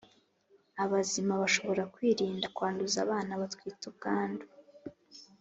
abazima Bashobora kwirinda kwanduza abana batwite ubwandu